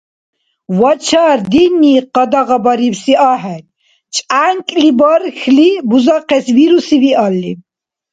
Вачар динни къадагъабарибси ахӀен, чӀянкӀли бархьли бузахъес вируси виалли